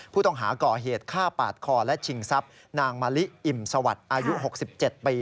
ผู้ต้องหาก่อเหตุฆ่าปาดคอและชิงทรัพย์นางมะลิอิ่มสวัสดิ์อายุ๖๗ปี